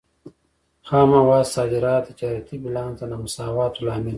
خام موادو صادرات د تجارتي بیلانس د نامساواتوب لامل دی.